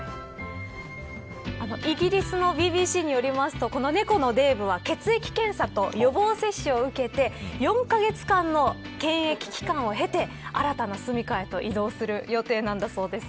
イギリスのＢＢＣによるとこの猫のデーブは血液検査と予防接種を受けて４カ月間の検疫期間を経て新たなすみかへと移動する予定なんだそうです。